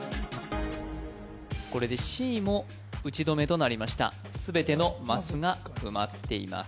これでＣも打ち止めとなりました全てのマスが埋まっています